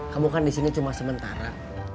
kamu kan disini cuma sementara